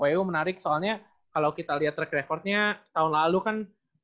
oeu menarik soalnya kalau kita lihat track record nya tahun lalu kan